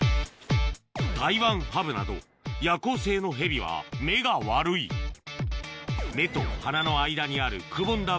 タイワンハブなど夜行性のヘビは目が悪い目と鼻の間にあるくぼんだ